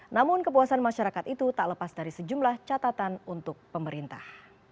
namun kepuasan masyarakat itu tak lepas dari sejumlah catatan untuk pemerintah